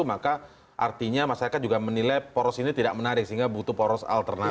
maka artinya masyarakat juga menilai poros ini tidak menarik sehingga butuh poros alternatif